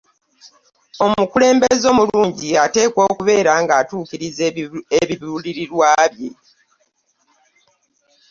omukulembeze omulungi atekwa okubeera nga nga tukiriza ebirubirirwa bye